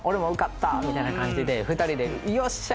みたいな感じで２人でよっしゃ！